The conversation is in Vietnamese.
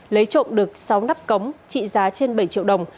lấy trộm được sáu nắp cống trị giá trên bảy triệu đồng